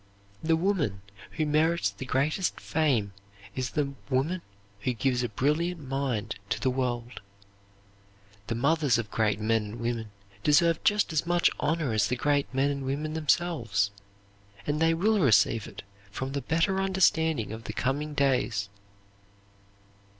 The woman who merits the greatest fame is the woman who gives a brilliant mind to the world. The mothers of great men and women deserve just as much honor as the great men and women themselves, and they will receive it from the better understanding of the coming days.